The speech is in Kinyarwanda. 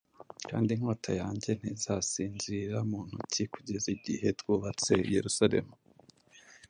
Kandi inkota yanjye ntizasinzira mu ntoki kugeza igihe twubatse Yerusalemu